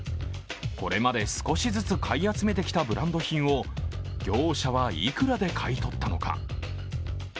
これまで少しずつ買い集めてきたブランド品を業者は幾らで買い取ったのか。